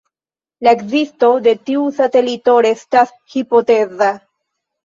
La ekzisto de tiu satelito restas hipoteza.